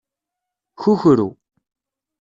Kukru.